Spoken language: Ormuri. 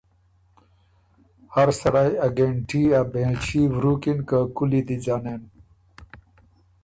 هر سړئ ا ګهېنټيې ا بېنلچي وروکِن که کُولی دی ځنېن۔